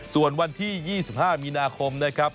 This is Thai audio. ส่วนวันที่๒๕มีนาคมนะครับ